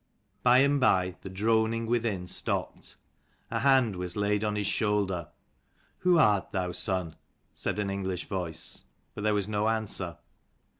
By and by the droning within stopped. A hand was laid on his shoulder. " Who art thou, son ?" said an English voice. But there was no answer.